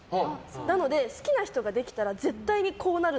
なので、好きな人ができたら絶対にこうなる。